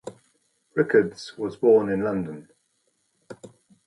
Rickards was born in London.